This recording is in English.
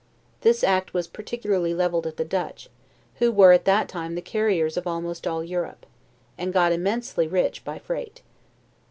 This act was particularly leveled at the Dutch, who were at that time the carriers of almost all Europe, and got immensely by freight.